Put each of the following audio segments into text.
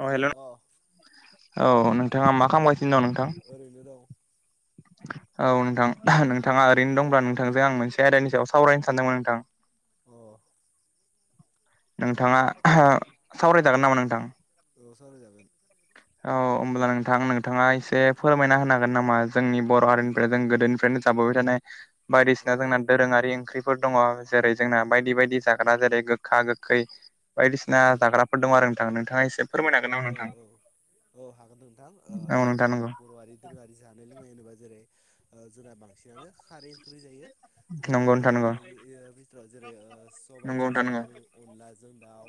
अ hello औ नोंथाङा मा खामगासिनो दं नोंथां? औ नोंथां नोंथाङा ओरैनो दंब्ला नोंथांजो आं मोनसे आयदानि सायाव सावरायनो सानदोंमोन नोंथां अ नोंथाङा [unintelligible] सावरायजागोन नामा नोंथां औ सावरायजागोन औ होमब्ला नोंथां नोंथाङा एसे फोरमायना होनो हागोन नामा जोंनि बर' हारिनिफ्राय जों गोदोनिफ्रायनो जाबोबाय थानाय बायदिसिना जोंना दोरोङारि ओंख्रि फोर दङ जेरै जोंना बायदि बायदि जाग्रा जेरै गोखा गोखै बायदिसिना जाग्रा दङ आरो नोंथां नोंथाङा एसे फोरमायनो हागोन नामा नोंथां औ हागोन ओ नोंथां जेरै जोंनि बर'आारि दोरोङारि जानाय लोंनाय होनोबा जेरै जोंना बांसि नानो खारै ओंख्रि जायो बे हारि ओंख्रि बिथोराव जेरै ओ सबायजों सामु अनलाजों दाउ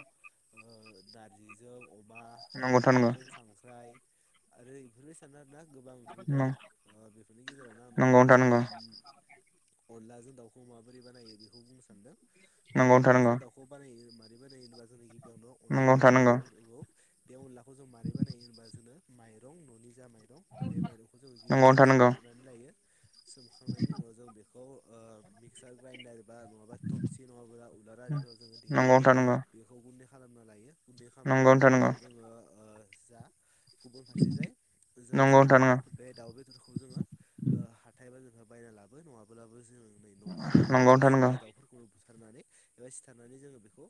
नारजिजों अमा मैथाजों खांख्राइ आरो बेफोरो सा गोबां ओंख्रि दं बेफोरनि गेजेरावनो आं नोंथांनो अनलाजों दाउखौ माबोरै बानायो बेखौ बुंनो सानदों अनलाजों दाउखौ बानाय मारै बानायनोबा जोंनाखि बेयावनो अनला आरो दाउखौ बे अनलाखौ जों मारोरै बानायो होनबा जोङो माइरं न'नि जा माइरं थं बे माइरंखौ जों गिबियावनो सोमग्रोनानै लायो सोमखांनायनि उनाव जों बेखौ मिक्सार ग्राइनडार बा नङाबा थबसि नङाब उवाल आरिफोराव जोङो देनानै बेखौ गुन्दै खालामना लायो गुन्दै खालामखांना ओ ओ जा गुबुुन फारसे जाय जों जा दाउ बे दाउ बेदर बेफोरखौ जोङो हाथाइ बाजारनिफ्राय बायना लाबो नङाब्लाबो जों नै न'निनो थानाय फिसिनाय दाउफोरखौनो बुथारना सिथारनानै एबा सिथारनानै जोङो बेखौ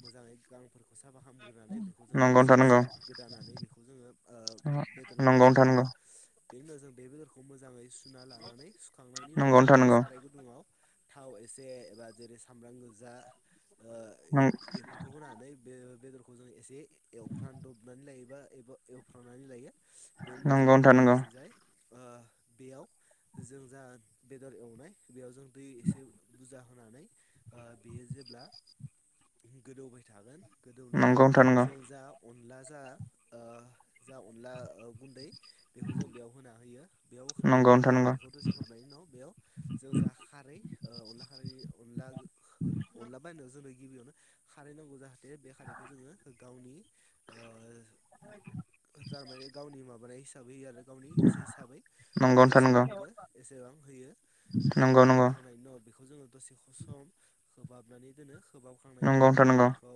मोजाङै गांफोरखौ साफा खालामो होनानै बेखौ जोङो फिसा फिसा गोदानानै बेखौ जोङो ओ बेदर बानायो आरोना बेनि उनाव जों बे बेदरखौ मोजाङै सुना लानानै सुखांनायनि उनाव जों बेखौ साराय गुदुं दङ थाव एसे एबा जेरै सामब्राम गोजा बेफोरखौ होनानै बे बेदरखौ जों एसे एवफ्रानदबनानै लायोबा एबा एवफ्रांनानै लायो बेनि उनाव जों गुबुन फारसेजाय ओ बियाव जों जा बेदर एवनाय बेयाव जों दै एसे बुजा होनानै ओ बेयो जेब्ला गोदौबाय थागोन गोदौनायाव [unintelligible] जों जा अनला जा जा अनला गुन्दै बेखौ जों बेयाव होना होयो बेयाव होखांनायनि उनाव जोङो बेखौ दसे एवनायनि उनाव बेयाव जों जा खारै अनला खारै अनला अनला बायनाय जोंनो गिबियावनो खारै नांगौ जाहाथे बे खारैखौ जोङो गावनि थारमाने गावनि माबानाय हिसाबैयो आरो गावनि गोसो हिसाबै जेसेबां नांगौ एसेबां होयो बेनि उनाव होखांनायनि उनाव बेखौ जोङो दसे सम खोबहाबनानै दोनो खोबहाबखांनायनि उनाव जोङो बेखौ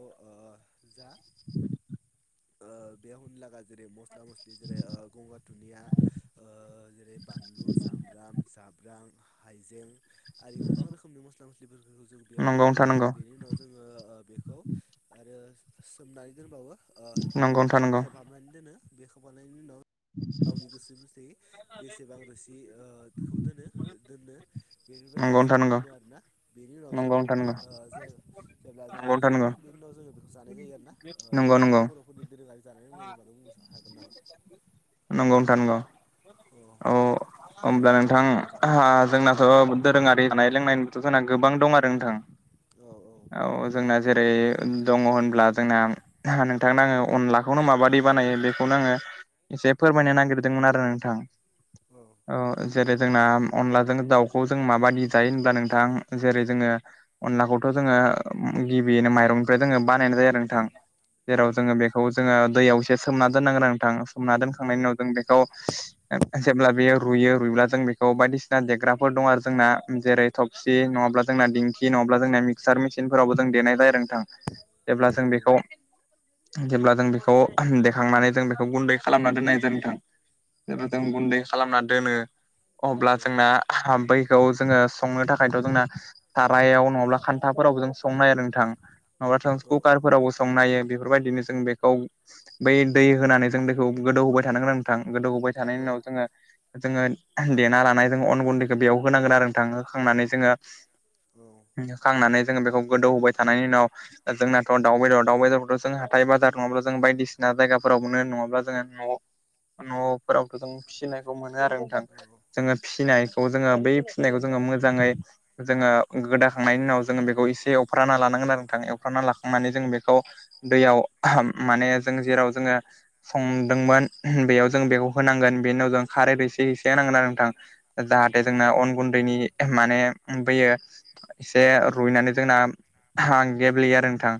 जा [inaudible] बे होनो लागा जेरै मस्ला मस्लि जेरै गंगार दुनिया जेरै बानलु सामब्राम जाब्रां हाइजें आरो गोबां रोखोमनि मस्ला मस्लिफोरखौ जों बेयाव होनो हायो बेनि उनाव जों जोङो बेखौ आरो सोमनानै दोनबावो अ खोबहाबनानै दोनो बे खोबहाबनायनि उनाव गावनि गोसो बायदियै बेसेबां रोसि खौ दोनो दोनो बेफोरबायदि हिसाबै दोनो आरोना बेनि उनाव जोंना ज जेब्ला जों बेखौ खाङो बेनि उनाव जोङो बेखौ जानाय जायो आरोना नोंथाङाब बर'फोरनि दोरोङारि जानाय लोंनायनि बादै बुंनो हागोन नामा नंगौ नोंथां नंगौ औ होमब्ला नोंथां जोंनाथ' दोरोङारि जानाय लोंनायनिथ' जोंना गोबां दं आरो नोंथां औ औ औ जोंना जेरै दङ होनब्ला जोंना नोंथांनो आङो अनलाखौनो माबादि बानायो बेखौनो आङो एसे फोरमायनो नागिरदोंमोन आरो नोंथां औ जेरै जोंना अनलाजों दाउखौ जों माबादि जायो होनब्ला नोंथां जेरै जोङो अनलाखौथ जोङो गिबियैनो माइरंनिफ्राय जोङो बानायनाय जायो नोंथां जेराव जोङो बेखौ जोङो दैयावसे सोमना दोननांगोन नोंथां सोमना दोनखांनायनि उनाव जों औ जेब्ला बेयो रुइयो रुइब्ला जों बेखौ बायदिसिना देग्राफोर दं आरो जोंना जेरै थब नङाब्ला जोंना दिंखि नङाब्ला जोंना मिक्सार मेसिनफोरावबो जों देनाय आरो नोंथां जेब्ला जों बेखौ जेब्ला जों बेखौ देखांनानै जों बे बेखौ गुन्दै खालामना दोननाय जादों नोंथां बेखौ जों गुन्दै खालामना दोनो अब्ला जोंना बैखौ जोङो संनो थाखायथ जोंना सारायाव नङाब्ला खान्थाफोरावबो जों संनो हायो आरो नोंथां नङाब्ला कारफोरावबो संनो हायो बेफोरबायदिनो जों बेखौ बै दै होनानै जों दैखौ गोदौ होबाय थानो गोनां नोंथां गोदौ होबाय थानायनि उनाव जोङो जोङो देना लानाय जोङो अन गुन्दैखौ बेयाव होनांगोन आरो नोंथां होखांनानै जोङो औ होखांनानै जोङो बेखौ गोदौ होबाय थानायनि उनावा जोंनाथ' दाउ बेदर दाउ बेदर जों हाथाय बाजार नङाब्ला जों बायदिसिना जायगाफोराव मोनो नङाब्ला जोङो न' न' फोरावथ' जों फिसिनायखौ मोनो आरो नोंथां जोङो फिसिनायखौ जोङो बै फिसिनायखौ जोङो मोजाङै जोङो गोदाखांनायनि उनाव जोङो बेखौ एसे अफ्राना लानांगोन आरो नोंथां एवफ्राना लाखांनानै जोङो बेखौ दैयाव माने जों जेराव जोङो संदोंमोन बेयाव जों बेखौ होनांगोन बेनि उनाव जों खारै एसे एसे होनांगोन आरो नोंथां जाहाथे जोंना अन गुन्दैनि माने बैयो एसे रुइनानै जोंना गेब्लेयो आरो नोंथां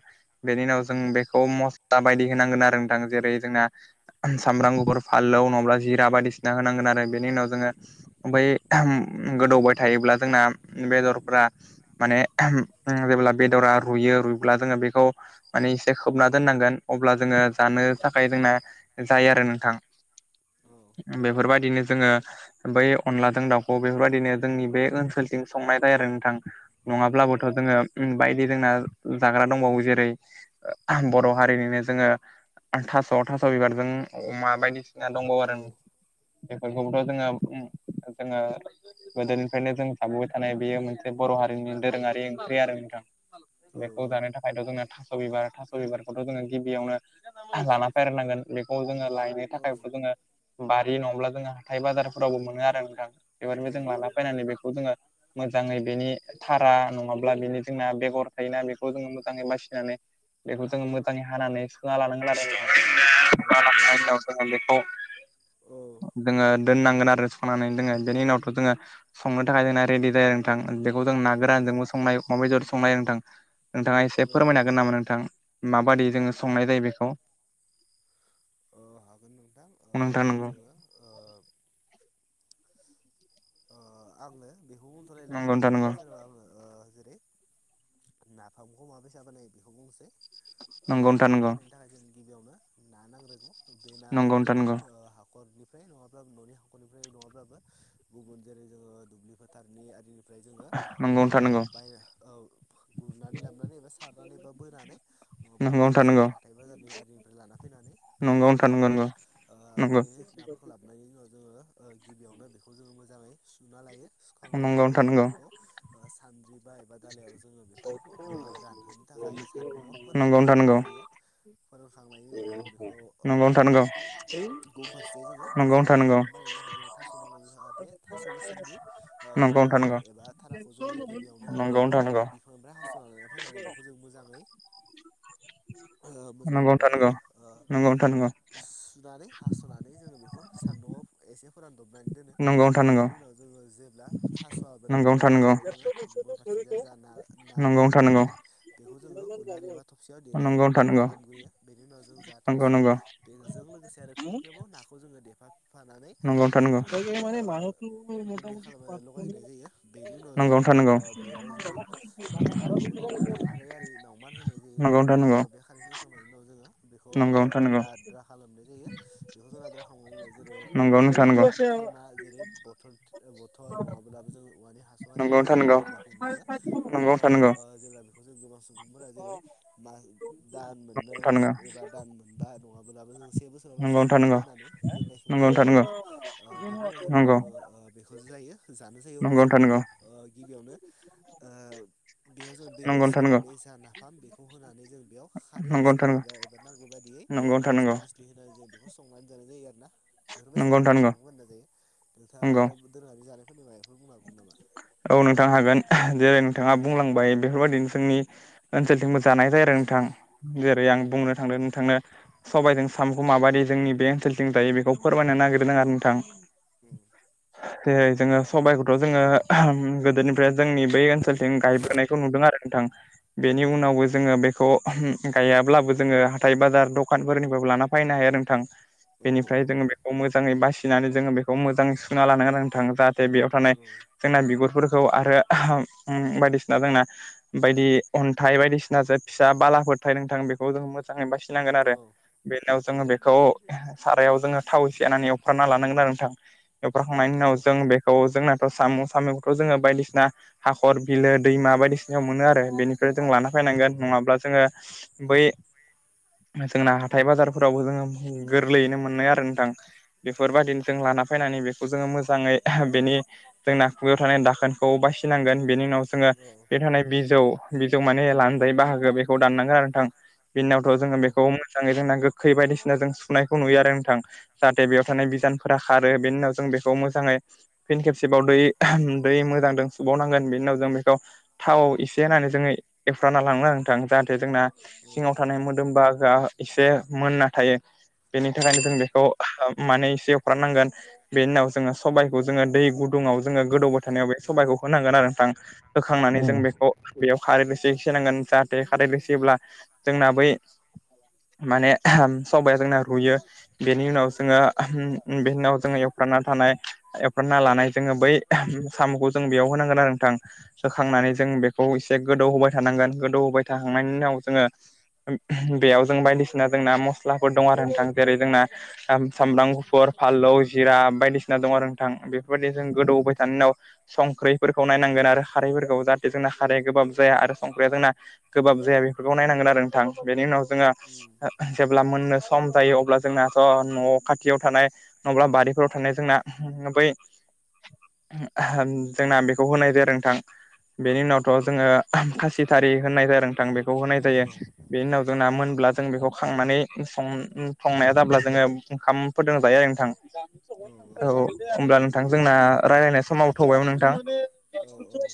बेनि उनाव जों बेखौ मस्ला बायदि होनांगोन आरो नोंथां जेरै जोंना सामब्राम गुफुर फानलौ नङाब्ला जिरा बायदिसिना होनांगोन आरो बेनि उनाव जोङो ओमफाय गोदौ [unintelligible] थायोब्ला जोंना बेदरफारा माने जेब्ला बेदरा रुइयो रुइब्ला जोङो बेखौ माने एसे खोबना दोननांगोन अब्ला जोङो जानो थाखाय जोंना जायो आरो नोंथां बेफोरबायदिनो जोङो बै अनलाजों दाउखौ बेफोरबायदिनो जोंनि बे ओनसोल संनाय जायो आरो नोंथां नङाब्लाबोथ जोङो बायदि जोंना जाग्रा दंबावो जेरै बर' हारिनिनो जोङो थास थास बिबारजों अमा बायदिसिना दंबावो आरो बेफोरखौबोथ जोङो जोङो गोदोनिफ्रायनो जों थाबोबाय थानाय बेयो मोनसे बर' हारिनि दोरोङारि ओंख्रि आरो नोंथां बेखौ जानो थाखाय जोङो थास बिबार थास बिबारखौथ जोङो गिबियावनो लाना फोराननांगोन बेखौ जोङो लायनो थाखायबो जोङो बारि नङाब्ला जोङो हाथाय बाजारफोरावबो मोनो आरो नोंथां बेफोरखो जों लाना फैनानै बेखौ जोङो मोजाङै बेनि थारा नङाब्ला बेनि जोंना बेगर थायोना बेखौ जोङो मोजाङै बासिनानै बेखौ जोङो मोजाङै हानानै सुना लानांगोन आरो। [unintelligible] जोङो दोननांगोन आरो सुखांनानै जोङो बेनि उनावथ' जोङो संनो थाखाय जोंना रेडि जायो नोंथां। बेखौ जों ना गोरानजोंबो संनो हायो अमाजोंबो संनो हायो नोंथां। नोंथाङा एसे फोरमायनो हागोन नामा नोंथां? माबादि जोङो संनाय जायो बेखौ। औ हागोन नोंथां ओ जेरै जोङो ओ ओ आंनो बेखौ बुंथलायला नोंथांनि सेराव आङो ओ जेरै नाफामखौ माबायसा बानायो बेखौ बुंनोसै। ओ नाफाम बानायनो थाखाय जों गिबियावनो ना नांग्रोगौ बे नाखौ जोङो ओ हाखरनि फ्राय नङाब्ला न'नि हखरनिफ्राय नङाब्लाबो गुबुन जेरै जोङो दुब्लि फोथारनि आरिनि फ्राय जोङो ओ बाय गुरनानै लाबोनानै एबा सारनानै एबा बोनानै नङाब्लाबो जों जेरै हाथाय बाजारनि आरिनिफ्राय लाना फैनानै बेखौ जोङो बानायो। ओ बे नाफोरखौ लाबोननि उनाव जोङो ओ गिबियावनो बेखौ जोङो मोजाङै सुना लायो। सुखांनायनि उनाव जोङो बेखौ ओ सानद्रि बा एबा दालायाव जोङो बेखौ ओ रानहोनो थाखाय सान्दुंआव फोरान्नानै दोननाय जायो। फोरोंखांनायनि उनाव जों बेखौ ओ गुबुन फारसेथिं जोङो जा नाफाम बानायनो थाखाय जों थास' नांगौ जाहाथे थास' गोसोमनि बुगा एबा थाराखौ जोङो गिबियाव नो बिफांनिफ्राय हासना लाना' फाइनानै बेखौ जों मोजाङै ओ मोजाङै माबाग्रोयो ओ सुनानै हास'नानै जोङो बेखौ सान्दुंआव एसे फोरानदबनानै दोनो। बेनि उनाव जोङो जेब्ला थास'आबो रानो अब्लानियाव जोङो गुबुन फारसेथिजा जा ना ना गोरान फोरानाय बेखौ जोङो उलार एबा थबसियाव देना गुन्दै खालामग्रोयो। बेनि उनाव जों जा थास' बेजों लोगोसे आरो फिन खेबाव ना खौ जोङो देफाम फानानै जों बेख खौ ओ गुन्दै खालामनानै लगायनाय जायो। बेनि उनाव जोङो ओ बेयाव जेरै ओ नाफामबो जेरै जों खारै आरि नावमान होनाय जायो। बेनि उनाव बे खारैखौ होखांनायनि उनाव जोङो बेखौ ओ लाद्रा खालामनाय जायो। बेखौ जों लाद्रा खालामनायनि उनाव जेरै ओ जेरै थेमा जेरै बथल बथल नङाब्लाबो जोङ औवानि हासुं'आरिफोरावबो जोङो दोन्नायखौ नुयो। बेनि उनाव ओ जेब्ला बेखौ जों गोबां सुबुंफोरा जेरै मा दान मोननै एबा दान मोनबा नङाब्लाबो जों से बोसोराव गासैबो बेखौ दोननानै दोननायखौ नुनो मोनो आरोना। ओ बेनि उनाव जेब्ला जोङो ओ बेखौसो जायो जानो जायो अब्ला जों बेखौ ओ गिबियावनो बेयाव जों दै एसे होनानै जों नाफाम बेखौ होनानै जों बेयाव खारै एसे एबा एबा नांगौ बायदियै मस्ला मस स्लि होनानै जों बेखौ संनानै जानाय जायो आरोना। बेफोर बेसानो जों नाफामखौ बानायना जायो। नोंथाङा आरो दोरङारि जानायफोरनि माइखौ बुंनो हागौमोन नामा? औ नोंथां हागोन। जेरै नोंथाङा बुंलांबाय बेफोरबायदि जोंनि ओनसोलथिं मो जानाय जायो आरो नोंथां। जेरै आं बुंनो थांदों नोंथांनो सबायजों सामुखौ माबायदि जोंनि बे ओनसोलथिं जायो बेखौ फोरमायनो नागिरदों आरो नोंथां। उम। जेरै जोङो सबाइखौथ' जोङो [unintelligible] गोदोनि फ्राय जोंनि बै ओनसोलथिं गायबोनायखौ नुदों आरो नोंथां बेनि उनावबो जोङो बेखौ गायाब्लाबो जोङो हाथाय बाजार दखानफोरनिफ्रायबो लाना फैनो हायो आरो नोंथां। बेनिफ्राय जोङो बेखौ मोजाङै बासिनानै जोङो बेखौ मोजां सुना लानांगोन नोंथां। जा बेयाव थानाय जोंना बिगुरफोरखौ आरो उम बायदिसिना जोंना बायदि अन्थाइ बायदिसिना जे फिसा बालाफोर थायो नोंथां बे खौ जों मोजाङै बासिनांगोन आरो बेनाव जोङो बेखौ सारायाव जोङो थाव एसे होनानै एवफ्रामना लानांगोन आरो नोंथां। एवफ्रामखांनायनि उनाव जों बे खौ जोंनाथ' साम' साम'खौथ' जोङो बायदिसिना हाखर बिलो दैमा बायदिसिनायाव मोनो आरो बेनिफ्राय जों लाना फैनांगोन नङाब्ला जोङो बै जोंना हाथाय बाजारफोरावबो जोङो गोरलैयैनो मोनो आरो नोंथां बेफोरबायदिनो जों लाना फैनानै बेखौ जोङो मोजाङै बेनि जोंना बेयाव थानाय दाखोनखौ बासिनांगोन बेनि उनाव जोङो बेयाव थानाय बिजौ बिजौ माने लानजाय बाहागो बेखौ दाननांगोन आरो नोंथां बिनि उनावथ' जोङो बेखौ मोजाङै जोंना गो खै बायदिसिना जों सुनायखौ नुयो आरो नोंथां जाहाथे बेयाव थानाय बिजानो फोरा खारो बेनि उनाव जों बेखौ मोजाङै फिन खेबसेबाव दै दै मोजांजों सुबावनांगोन बिनि उनाव जों बेखौ थाव एसे होननानै जोङो एवफ्रामना लांगोन आरो नोंथां जाहाथे जोंना सिङाव थानाय मोदोम बाहागोआ एसे मोनना थायो बेनि थाखायनो जों बेखौ माने एसे एवफारामनांगोन बे उनाव जोङो सबाय बे जोङो दै गुदुंआव जोङो गोदौबाय थानायाव बे सबायखौ होनांगोन आरो नोंथां होखांनानै जों बेखौ बेयाव खारै एसे एसे होनांगोन जाहाथे खारै लोयोब्ला जोंना बै माने सबाइाया जोंना रुयो बेनि उनाव जोङो बेनि उनाव जोङो एवफ्रामना थानाय एफ नना लानाय जोङो बै साम'खौ जों बेयाव होनांगोन आरो नोंथां सोखांनानै जों बे एसे गोदौ होबाय थानांगोन गोदौ होबाय थांनायनि उनाव जोङो बेयाव जों बायदिसिना जोंना मस लाफोर दं आरो नोंथां जेरै जोंना सामब्राम गुफुर फालौ जिरा बायदिसिना दं आरो नोंथां थां बेफोरबायदि जों गोदौबाय थानायनाव संख्रिफोरखौ नायनांगोन आरो खारैफोरखौ जाहाथे जोंना खारैया गोबाब जाया आरो संख्रिया जोंना गोबाब जाया बेफोरखौ नायनांगोन आरो नोंथां बेनि उनाव जोङो जेब्ला मोननो सम जायो अब्ला जोंनाथ' न' खाथियाव थानाय नङाब्ला बारिफोराव थानाय जोंना बै जोंना बेखौ होनाय जादों नोंथां बेनि उनावथ' जोङो खासिथारि होननाय जादों नोंथां बेखौ होनाय जायो बेनि उनाव जोंना मोनब्ला जों बेखौ खांनानैं संनाया जाब्ला जोङो ओंखामफोरदों जायो आरो नोंथां औ औ होमब्ला नोंथां जोंना रायलायनाय समाबो थौबायमोन नोंथां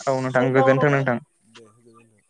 औ नोंथां गोजोनथों नोंथां दे होदो होननो